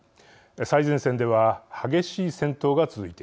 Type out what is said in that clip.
最前線では激しい戦闘が続いています。